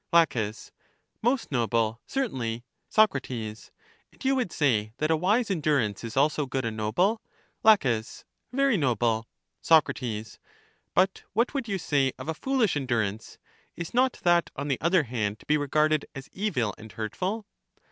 La, Most noble, certainly. Soc, And you would say that a wise endurance is also good and noble? La, Very noble. 106 LACHES Soc. But what would you say of a foolish endur ance? Is not that, on the other hand, to be regarded as evil and hurtful?